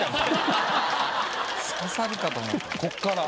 こっから。